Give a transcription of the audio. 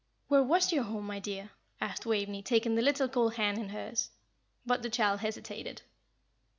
"Where was your home, my dear!" asked Waveney, taking the little cold hand in hers; but the child hesitated.